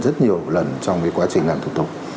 rất nhiều lần trong quá trình làm thủ tục